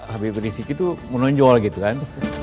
habis risik itu menonjol gitu kan